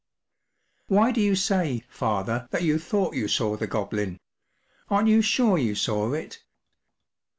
11 Why do you say, father, that you thought you saw the Goblin? Aren’t you sure you saw it